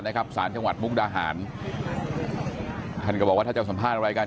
สารจังหวัดมุกดาหารท่านก็บอกว่าถ้าจะสัมภาษณ์อะไรกัน